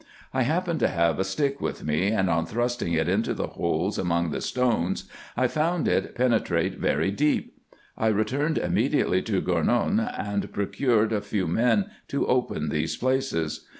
I happened to have a stick with me, and on thrusting it into the holes among the stones, I found it penetrate very deep. I returned immediately to Gournou, and procured a few men, to open these places.